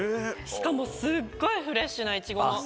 しかもすっごいフレッシュないちごの。